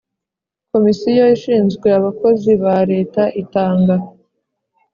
Komisiyo ishinzwe abakozi ba Leta itanga